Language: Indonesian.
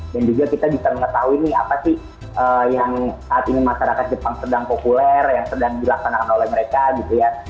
juga kita bisa mengetahui nih apa sih yang saat ini masyarakat jepang sedang populer yang sedang dilaksanakan oleh mereka gitu ya